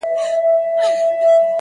هو زه پوهېږمه، خیر دی یو بل چم وکه،